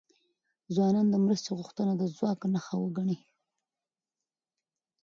ځوانان د مرستې غوښتنه د ځواک نښه وګڼي.